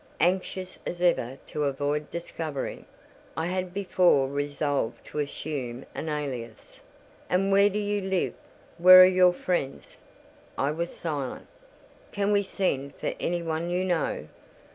Anxious as ever to avoid discovery, I had before resolved to assume an alias. "And where do you live? Where are your friends?" I was silent. "Can we send for any one you know?"